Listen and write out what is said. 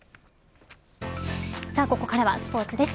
ここからスポーツです。